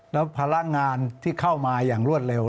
แล้วพลังงานที่เข้ามาอย่างรวดเร็ว